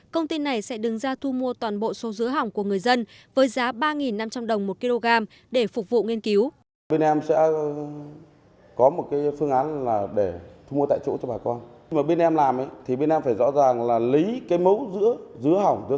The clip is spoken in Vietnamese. công ty này sẽ đứng ra thu mua toàn bộ số dứa hỏng của người dân với giá ba năm trăm linh đồng một kg để phục vụ nghiên cứu